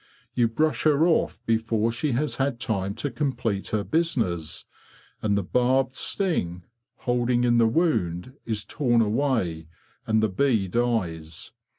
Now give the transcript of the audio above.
You brush her off before she has had time to complete her business, and the barbed sting, holding in the wound, is torn away, and the bee dies.